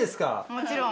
もちろん。